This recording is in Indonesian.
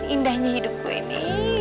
indahnya hidup gue ini